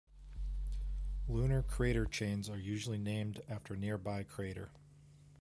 Lunar crater chains are usually named after nearby crater.